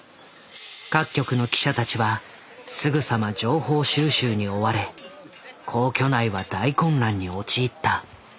各局の記者たちはすぐさま情報収集に追われ皇居内は大混乱に陥った。